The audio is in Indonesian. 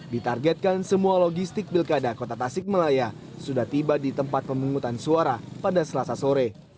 ditargetkan semua logistik pilkada kota tasik malaya sudah tiba di tempat pemungutan suara pada selasa sore